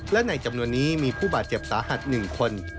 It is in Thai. และในจำนวนนี้มีผู้บาดเจ็บสาหัส๑คน